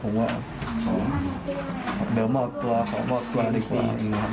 ผมว่าเดี๋ยวมอบตัวขอมอบตัวดีกว่า